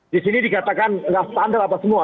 di sini dikatakan nggak standar apa semua